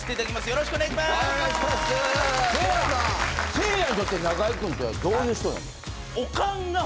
せいやにとって中居君ってどういう人なの？